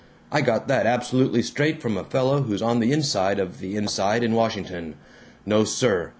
I got that absolutely straight, from a fellow who's on the inside of the inside in Washington. No, sir!